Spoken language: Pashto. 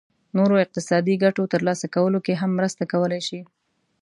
نورو اقتصادي ګټو ترلاسه کولو کې هم مرسته کولای شي.